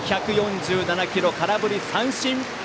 １４７キロ空振り三振！